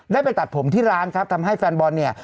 ได้ไปตัดผมที่ร้านครับทำให้แฟนบอลเนี่ย